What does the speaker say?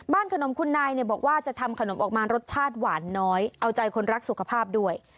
ขนมคุณนายเนี่ยบอกว่าจะทำขนมออกมารสชาติหวานน้อยเอาใจคนรักสุขภาพด้วย